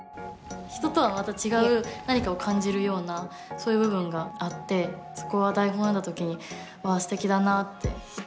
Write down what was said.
人とはまた違う何かを感じるようなそういう部分があってそこは台本を読んだ時にわあすてきだなって。